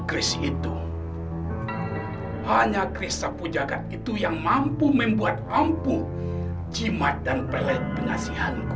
keris itu hanya keris sapu jagad itu yang mampu membuat ampuh jimat dan pelet pengasihanku